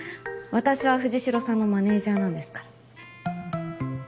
私は藤代さんのマネージャーなんですから。